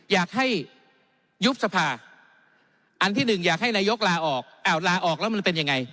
อยากให้ยุบสภาอันที่หนึ่งอยากให้นายกลาออกอ้าวลาออกแล้วมันเป็นยังไง